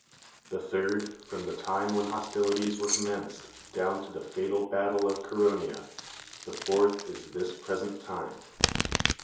The third, from the time wlien hostilities were commenced, down to the fatal battle of Chaero nea. The fourth is this present time.